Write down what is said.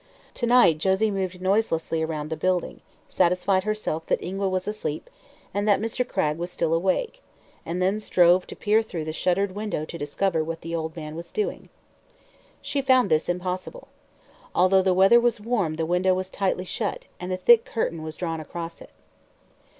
To night Josie moved noiselessly around the building, satisfied herself that Ingua was asleep and that Mr. Cragg was still awake, and then strove to peer through the shuttered window to discover what the old man was doing. She found this impossible. Although the weather was warm the window was tightly shut and a thick curtain was drawn across it.